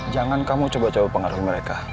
jangan kamu coba coba pengaruh mereka